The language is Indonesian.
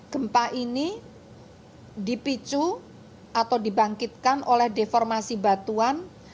gempa ini dipicu atau dibangkitkan oleh deformasi batuan